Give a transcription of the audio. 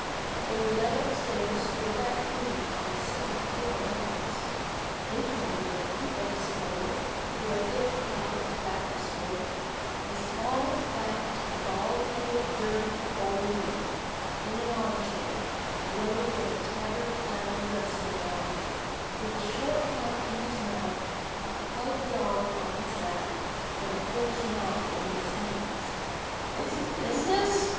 They were led up stairs to a back room on the second floor of the house. Entering the room, they discovered through a thick cloud of tobacco smoke, a small, fat, bald headed, dirty, old man, in an arm chair, robed in a tattered flannel dressing gown, with a short pipe in his mouth, a pug dog on his lap, and a French novel in his hands. "Is it business?"